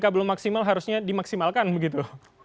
belum maksimal harusnya dimaksimalkan begitu